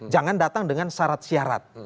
dan tidak datang dengan syarat syarat